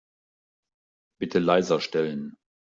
Bitte leiser stellen.